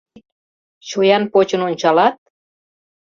Чоян почын ончалат...